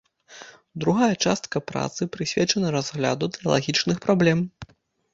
Другая частка працы прысвечана разгляду тэалагічных праблем.